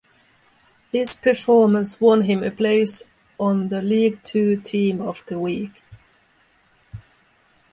This performance won him a place on the League Two team of the week.